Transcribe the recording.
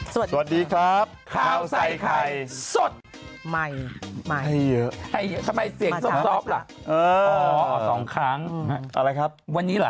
สวัสดีครับข้าวใส่ไข่สุดไม่ให้เยอะทำไมเสียงสอบล่ะสองครั้งอะไรครับวันนี้